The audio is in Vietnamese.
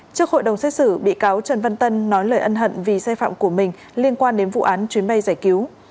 trước hội đồng xét xử bị cáo trần văn tân nói lời ân hận vì sai phạm của mình liên quan đến vụ án chuyến bay giải cứu